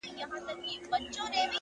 ژمنتیا له خوب نه عمل جوړوي!